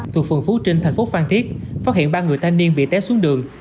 thuộc phường phú trinh thành phố phan thiết phát hiện ba người thanh niên bị té xuống đường